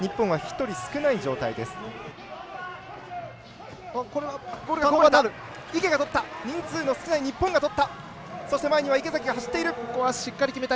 人数が少ない日本がとった。